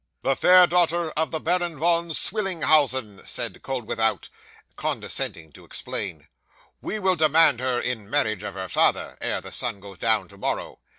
'"The fair daughter of the Baron Von Swillenhausen," said Koeldwethout, condescending to explain. "We will demand her in marriage of her father, ere the sun goes down tomorrow.